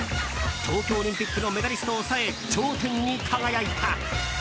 東京オリンピックのメダリストを抑え、頂点に輝いた。